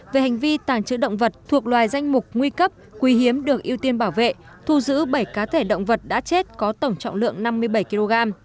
về hành vi tàng trữ động vật thuộc loài danh mục nguy cấp quý hiếm được ưu tiên bảo vệ thu giữ bảy cá thể động vật đã chết có tổng trọng lượng năm mươi bảy kg